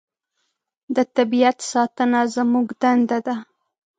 د طبیعت ساتنه زموږ دنده ده.